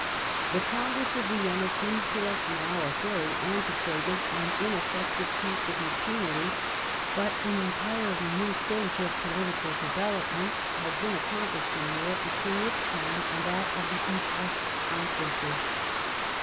The Congress of Vienna seems to us now a very antiquated and ineffective piece of machinery. But an entirely new stage of political development had been accomplished in Europe between its time and that of the Utrecht conferences.